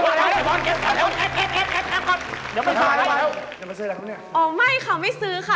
อ๋อไม่ค่ะไม่ซื้อค่ะนัดผู้ชายค่ะ